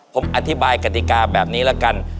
ผมอธิบายกฎิกาแบบนี้ละกัน